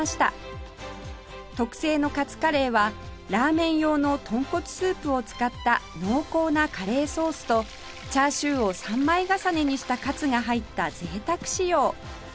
特製のカツカレーはラーメン用の豚骨スープを使った濃厚なカレーソースとチャーシューを３枚重ねにしたカツが入った贅沢仕様